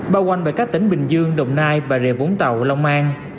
bao quanh bởi các tỉnh bình dương đồng nai bà rề vốn tàu long an